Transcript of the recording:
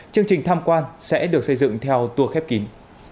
chương trình tham quan sẽ được xây dựng theo tour khép kín